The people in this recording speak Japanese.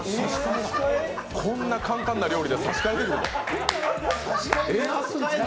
こんな簡単な料理で差し替えってこと？